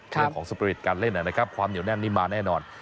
เรื่องของสปริตการเล่นนะครับความเหนียวแน่นนี่มาแน่นอน